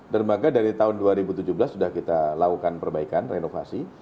dermaga dari tahun dua ribu tujuh belas sudah kita lakukan perbaikan renovasi